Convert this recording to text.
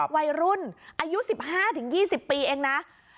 วัยรุ่นอายุ๑๕๒๐ปีเองนะ